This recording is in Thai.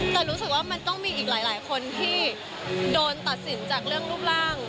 แต่รู้สึกว่ามันต้องมีอีกหลายคนที่โดนตัดสินจากเรื่องรูปร่าง